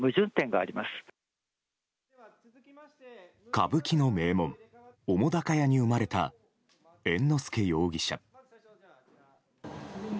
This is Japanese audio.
歌舞伎の名門・澤瀉屋に生まれた猿之助容疑者。